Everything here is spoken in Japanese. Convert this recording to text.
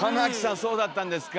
そうだったんですか。